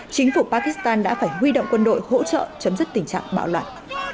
chính phủ pakistan đã phải huy động quân đội hỗ trợ chấm dứt tình trạng bạo loạn